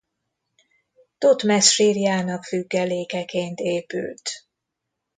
Thotmesz sírjának függelékeként épült.